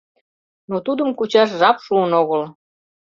Но тудым кучаш жап шуын огыл.